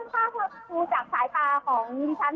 ขบวนรถมูลตัวไปอย่างที่เห็น